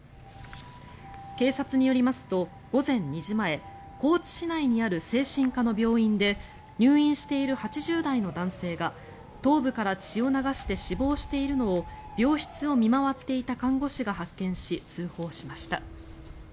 警察によりますと午前２時前高知市内にある精神科の病院で入院している８０代の男性が頭部から血を流して死亡しているのを病室を見回っていた看護師が発見し、通報しました。